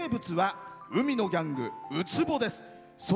名物は海のギャング・ウツボです。